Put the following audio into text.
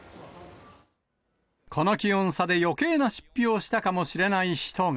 この気温差でよけいな出費をしたかもしれない人が。